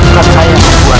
tak saya yang membuat